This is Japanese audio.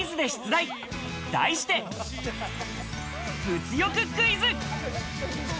題して物欲クイズ！